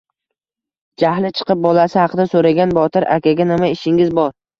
Jahli chiqib, bolasi haqida so`ragan Botir akaga Nima ishingiz bor